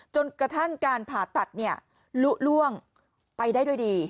จนกระทั่งการผ่าตัดลุล่วงไปได้ด้วยดี